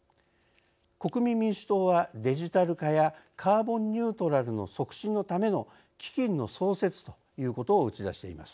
国民民主党は「デジタル化やカーボンニュートラルの促進のための基金の創設」ということを打ち出しています。